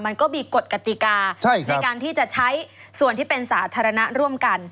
มันก็มีกฎกติกาในการที่จะใช้ส่วนที่เป็นสาธารณะร่วมกัน